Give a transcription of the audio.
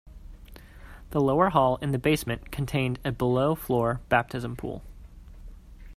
The lower hall in the basement contained a below-floor baptism pool.